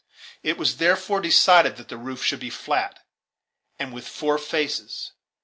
It was therefore decided that the roof should be flat, and with four faces.